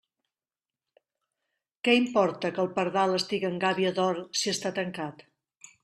Què importa que el pardal estiga en gàbia d'or, si està tancat?